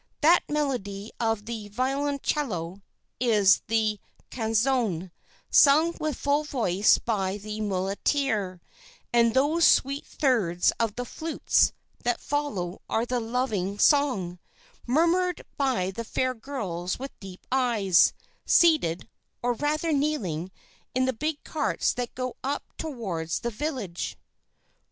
That melody of the violoncello is the canzone, sung with full voice by the mulattiere; and those sweet thirds of the flutes that follow are the loving song, murmured by the fair girls with deep eyes, seated, or rather kneeling, in the big carts that go up towards the village.